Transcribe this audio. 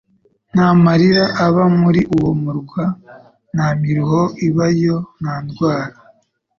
ntamarira aba muri uwo murwa nta miruho ibayo nta nindwara